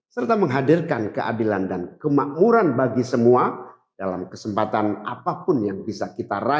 serta menghadirkan keadilan dan kemakmuran bagi semua dalam kesempatan apapun yang bisa kita raih